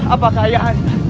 apakah ayah anda